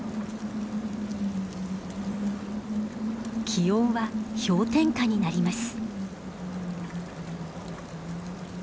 気温は氷点下になります。